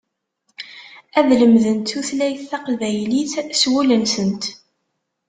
Ad lemdent tutlayt taqbaylit s wul-nsent.